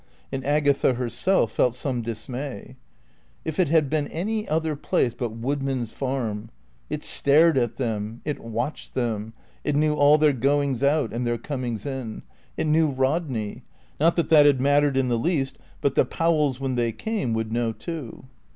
And Agatha herself felt some dismay. If it had been any other place but Woodman's Farm! It stared at them; it watched them; it knew all their goings out and their comings in; it knew Rodney; not that that had mattered in the least, but the Powells, when they came, would know too.